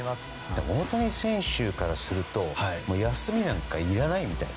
でも大谷選手からすると休みなんかいらないみたいな。